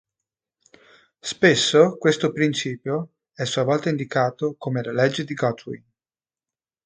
Spesso, questo principio è a sua volta indicato come la legge di Godwin.